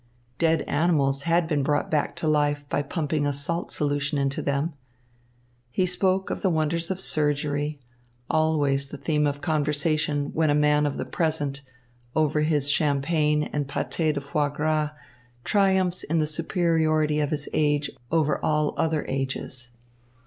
Dead animals had been brought back to life by pumping a salt solution into them. He spoke of the wonders of surgery, always the theme of conversation when a man of the present, over his champagne and pâté de foie gras, triumphs in the superiority of his age over all other ages.